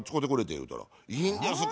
言うたら「いいんですか？」